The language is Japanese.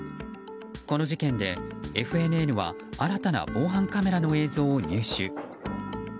この事件で、ＦＮＮは新たな防犯カメラの映像を入手。